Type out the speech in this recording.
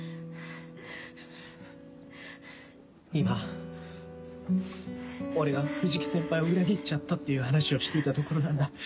今俺が藤木先輩を裏切っちゃったっていう話をしていたところなんだ。